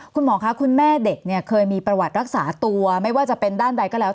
คุณหมอคะคุณแม่เด็กเนี่ยเคยมีประวัติรักษาตัวไม่ว่าจะเป็นด้านใดก็แล้ว